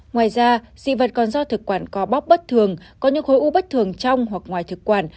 ngoài ra dị vật còn do thực quản co bóp bất thường có những khối u bất thường trong hoặc ngoài thực quản